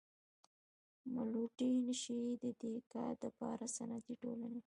ملوثي نشي ددي کار دپاره صنعتي ټولني.